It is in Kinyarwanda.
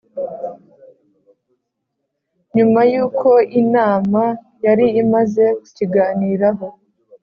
nyuma y'uko inama yari maze kukiganiraho.